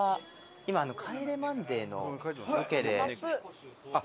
今『帰れマンデー』のロケで。